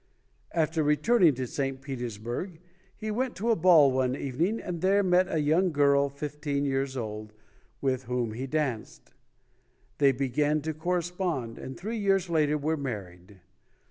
After returning to St. Petersburg, he went to a ball one evening, and there met a young girl fifteen years old, with whom he danced. They be gan to correspond, and three years later were married.